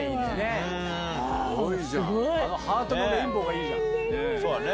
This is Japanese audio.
ハートのレインボーがいいじゃん！